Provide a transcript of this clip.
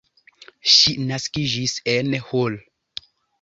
Ŝi naskiĝis en Hull.